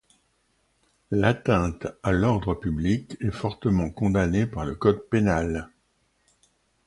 L'atteinte à l'ordre public est fortement condamnée par le code pénal.